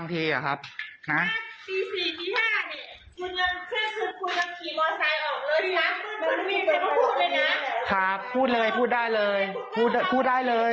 ครับพูดได้เลย